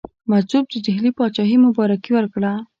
مجذوب د ډهلي پاچهي مبارکي ورکړه.